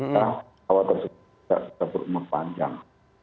pesawat tersebut tidak bisa berumur panjang